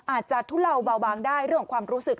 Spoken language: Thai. อาจจะทุ่ล่าวเบาบางได้เรื่องความรู้สึก